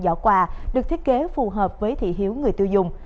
giỏ quà được thiết kế phù hợp với thị hiếu người tiêu dùng